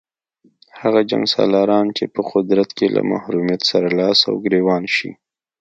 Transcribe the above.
هغه جنګسالاران چې په قدرت کې له محرومیت سره لاس او ګرېوان شي.